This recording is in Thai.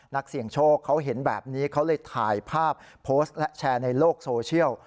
นักเสี่ยงโชคเขาเห็นแบบนี้เขาเลยถ่ายภาพโพสต์และแชร์ในโลกโซเชียล